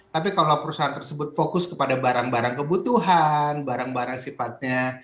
tapi kalau perusahaan tersebut fokus kepada barang barang kebutuhan barang barang sifatnya